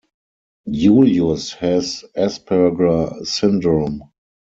Julius has Asperger syndrome.